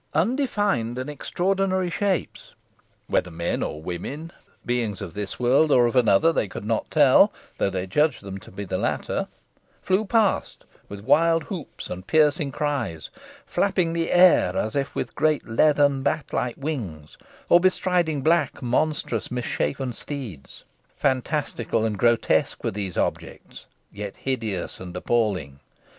Undefined and extraordinary shapes, whether men or women, beings of this world or of another they could not tell, though they judged them the latter, flew past with wild whoops and piercing cries, flapping the air as if with great leathern bat like wings, or bestriding black, monstrous, misshapen steeds. Fantastical and grotesque were these objects, yet hideous and appalling.